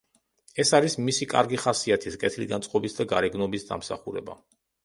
ეს არის მისი კარგი ხასიათის, კეთილგანწყობის და გარეგნობის დამსახურება.